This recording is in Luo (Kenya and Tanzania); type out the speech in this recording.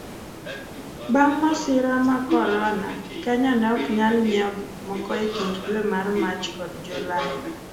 bang' masira marcorona, Kenya ne oknyal nyiewo gikmoko ekind dwe mar Mach kod Julai.